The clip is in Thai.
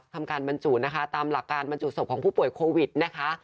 ทำการบรรจุนะคะตามหลักการบรรจุศพของผู้ป่วยโควิดนะคะ